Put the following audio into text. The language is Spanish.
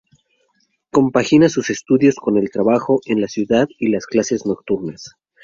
Compagina sus estudios, con el trabajo en la ciudad y las clases nocturnas.